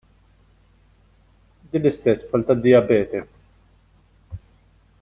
Din l-istess bħal tad-diabete.